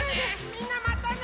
みんなまたね！